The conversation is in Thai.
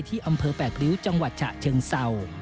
อำเภอ๘ริ้วจังหวัดฉะเชิงเศร้า